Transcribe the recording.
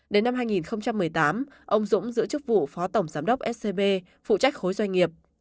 đến năm hai nghìn một mươi tám ông dũng giữ chức vụ phó tổng giám đốc scb phụ trách khối doanh nghiệp